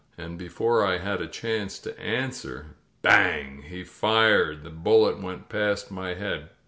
And before I had a chance to answer, BANG ! He fired. The bullet went past my head.